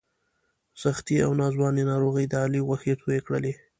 سختې او ناځوانه ناروغۍ د علي غوښې تویې کړلې.